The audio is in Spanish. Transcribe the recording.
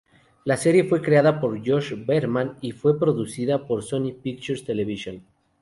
La serie fue creada por Josh Berman, y fue producida por Sony Pictures Television.